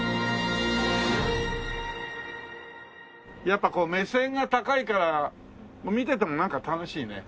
やっぱこう目線が高いから見ててもなんか楽しいね。